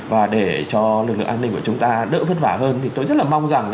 và để cho lực lượng an ninh của chúng ta đỡ vất vả hơn thì tôi rất là mong rằng